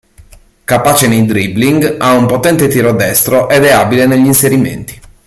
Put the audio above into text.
Capace nei dribbling, ha un potente tiro destro ed è abile negli inserimenti.